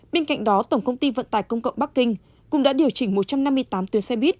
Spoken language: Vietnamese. bên cạnh đó tổng công ty vận tải công cộng bắc kinh cũng đã điều chỉnh một trăm năm mươi tám tuyến xe buýt